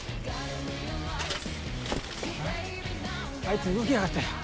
あいつ動きやがったよ。